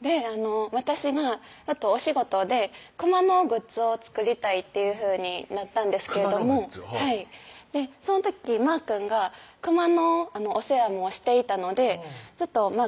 で私がお仕事でクマのグッズを作りたいっていうふうになったんですけれどもその時まーくんがクマのお世話もしていたのでちょっとまー